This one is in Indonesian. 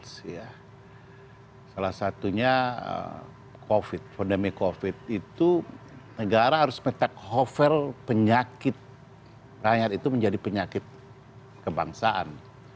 salah satunya covid pandemi covid itu negara harus men take hover penyakit rakyat itu menjadi penyakit kebangsaan